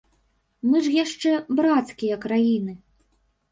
Мы ж яшчэ брацкія краіны.